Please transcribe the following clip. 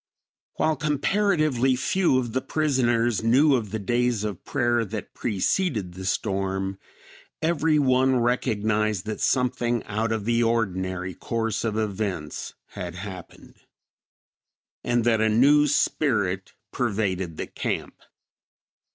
While comparatively few of the prisoners knew of the days of prayer that preceded the storm, every one recognized that something out of the ordinary course of events had happened; and that a new spirit pervaded the camp.